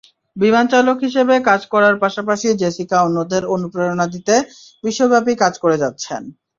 বিমানচালক হিসেবে কাজ করার পাশাপাশি জেসিকা অন্যদের অনুপ্রেরণা দিতে বিশ্বব্যাপী কাজ করে যাচ্ছেন।